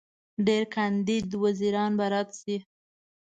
ډېر کاندید وزیران به رد شي.